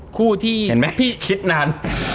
คู่ที่คิดนาน